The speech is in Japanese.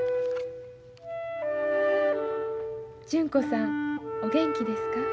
「純子さんおげんきですか。